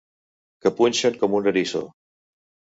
Que punxen com un eriçó.